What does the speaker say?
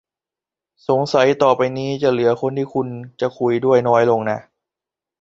สงสัยต่อไปนี้ จะเหลือคนที่คุณจะคุยด้วยน้อยลงนะ